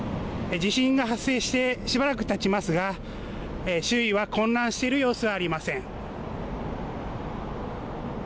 地震が発生してしばらくたちますが周囲は混乱している様子はありません。